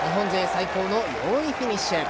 最高の４位フィニッシュ。